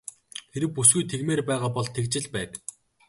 Хэрэв бүсгүй тэгмээр байгаа бол тэгж л байг.